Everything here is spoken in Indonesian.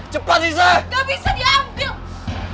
cepat riza gak bisa diambil